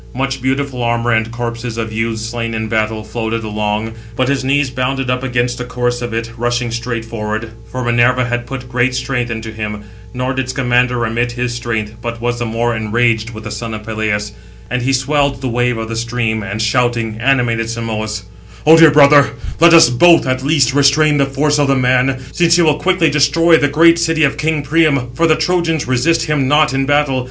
Much beautiful armour and corpses of youths slain in battle, floated along; but his knees bounded up against the course of it rushing straight forward; for Minerva had put great strength into him. Nor did Scamander remit his strength, but was the more enraged with the son of Peleus. And he swelled the wave of the stream, and, shouting, animated Simoïs: "O dear brother, let us both, at least, restrain the force of the man, since he will quickly destroy the great city of king Priam, for the Trojans resist him not in battle.